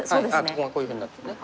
ここがこういうふうになってね。